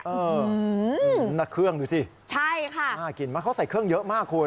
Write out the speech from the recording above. เออหน้าเครื่องดูสิใช่ค่ะน่ากินมากเขาใส่เครื่องเยอะมากคุณ